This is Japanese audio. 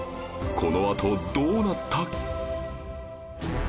このあとどうなった？